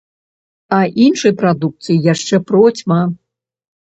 А іншай прадукцыі яшчэ процьма.